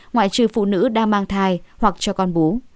ngoại trừ phụ nữ đã mang thai hoặc cho con bú